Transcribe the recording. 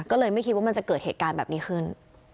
ก็เลยไม่คิดว่ามันจะเกิดเหตุการณ์แบบนี้ขึ้น